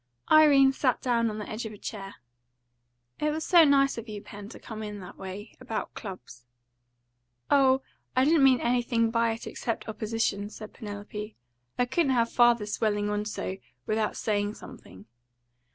Irene sat down on the edge of a chair. "It was so nice of you, Pen, to come in, that way, about clubs." "Oh, I didn't mean anything by it except opposition," said Penelope. "I couldn't have father swelling on so, without saying something."